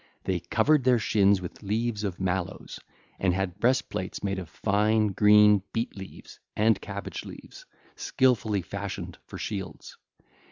They covered their shins with leaves of mallows, and had breastplates made of fine green beet leaves, and cabbage leaves, skilfully fashioned, for shields.